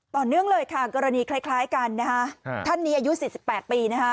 ต่อเนื่องเลยค่ะกรณีคล้ายกันนะฮะท่านนี้อายุ๔๘ปีนะฮะ